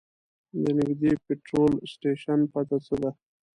د نږدې پټرول سټیشن پته څه ده؟